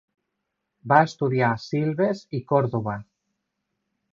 Va estudiar a Silves i Còrdova.